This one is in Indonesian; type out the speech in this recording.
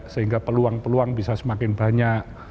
sehingga peluang peluang bisa semakin banyak